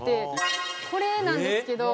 これなんですけど。